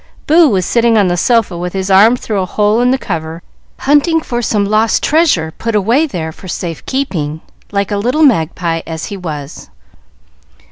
Boo was sitting on the sofa, with his arm through a hole in the cover, hunting for some lost treasure put away there for safe keeping, like a little magpie as he was.